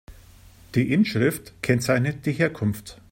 Die Inschrift kennzeichnet die Herkunft.